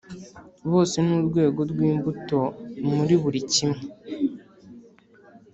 bose n urwego rw imbuto muri buri kimwe